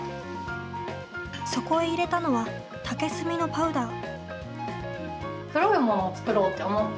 そこへ入れたのは竹炭のパウダー。